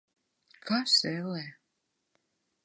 Kas, ellē?